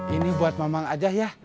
ini buat mamang aja ya